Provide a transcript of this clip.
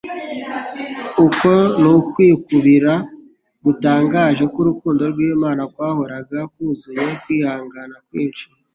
Uko ni ukwikubura gutangaje k'urukundo rw'Imana kwahoraga kuzuye kwihangana kwinshi.